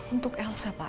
untuk elsa pak